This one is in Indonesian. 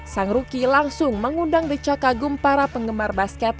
sang rookie langsung mengundang decak kagum para penggemar basket